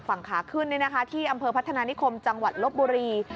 ฝั่งขาขึ้นที่อำเภอพัฒนานิคมจังหวัดลบบุรี